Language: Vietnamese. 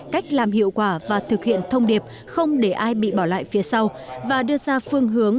cách làm hiệu quả và thực hiện thông điệp không để ai bị bỏ lại phía sau và đưa ra phương hướng